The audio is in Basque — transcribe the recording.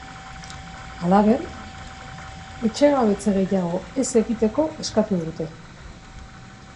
Halaber, etxegabetze gehiago ez egiteko eskatu dute.